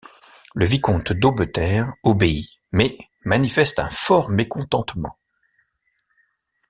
Le vicomte d'Aubeterre obéit mais manifeste un fort mécontentement.